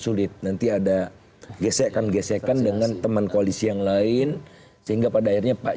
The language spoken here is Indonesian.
sulit nanti ada gesekan gesekan dengan teman koalisi yang lain sehingga pada akhirnya pak